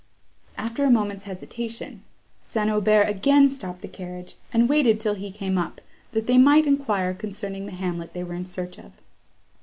After a moment's hesitation, St. Aubert again stopped the carriage, and waited till he came up, that they might enquire concerning the hamlet they were in search of.